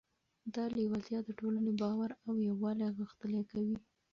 دا لیوالتیا د ټولنې باور او یووالی غښتلی کوي.